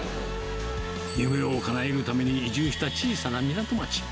夢をかなえるために移住した小さな港町。